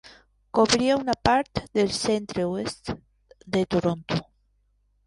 Cobria una part de centre-oest de Toronto.